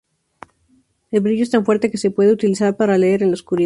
El brillo es tan fuerte que se puede utilizar para leer en la oscuridad.